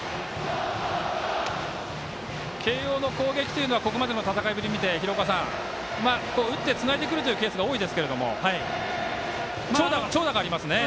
慶応の攻撃はここまでの戦いを見て廣岡さん、打ってつないでくるというケースが多いですけれども長打がありますね。